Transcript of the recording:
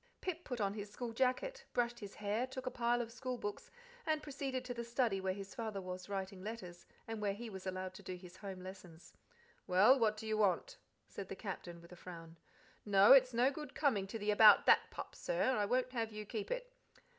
Pip put on his school jacket, brushed his hair, took a pile of school books, and proceeded to the study where his father was writing letters, and where he was allowed to do his home lessons. "Well, what do you want?" said the Captain, with a frown. "No, it's no good coming to the about that pup, sir I won't have you keep it."